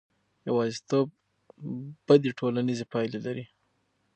یوازیتوب بدې ټولنیزې پایلې لري.